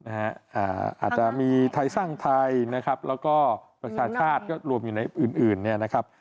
อาจจะมีไทยสร้างไทยนะครับแล้วก็ประชาชาติก็รวมอยู่ในอื่นเนี่ยนะครับ